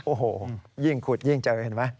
โอ้โหยิ่งขุดยิ่งเจอเห็นไหม